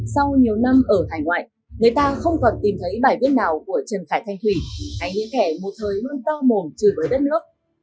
sau nhiều năm ở hải ngoại người ta không còn tìm thấy bài viết nào của trần khải thanh thủy hay những kẻ một thời hương to mồn chửi với đất nước